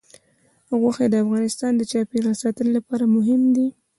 غوښې د افغانستان د چاپیریال ساتنې لپاره مهم دي.